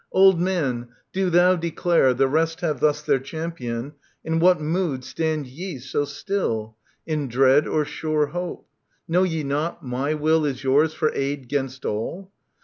Old Man, do thou declare — the rest have thus ' Their champion — in what mood stand ye so still, In dread or sure hope ? Know ye not, my will Is yours for aid 'gainst all